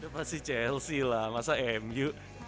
pasti chelsea lah masa mu